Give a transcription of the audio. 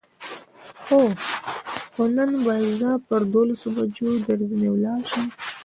هو، خو نن به زه پر دولسو بجو درځنې ولاړ شم.